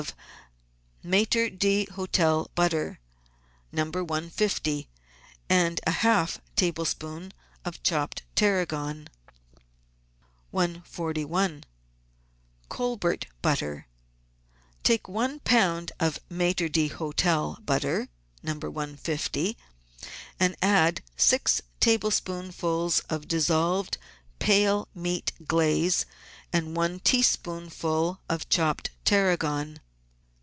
of Maitre d' Hotel butter (No. 150) and half a tablespoonful of chopped tarragon. 141— COLBERT BUTTER Take one lb. of Maitre d'Hotel butter (No. 150) and add six tablespoonfuls of dissolved, pale meat glaze and one teaspoonful of chopped tarragon.